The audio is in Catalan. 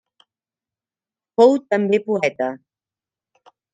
Fou també poeta.